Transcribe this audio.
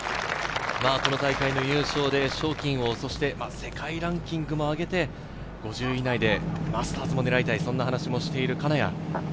この大会の優勝で賞金王、世界ランキングも上げて５０位以内でマスターズも狙いたい、そんな話もしている金谷。